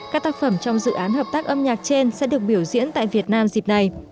các tác phẩm trong dự án hợp tác âm nhạc trên sẽ được biểu diễn tại việt nam dịp này